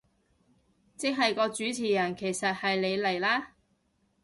即係個主持人其實係你嚟啦